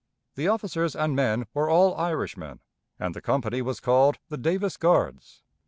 The officers and men were all Irishmen, and the company was called the "Davis Guards."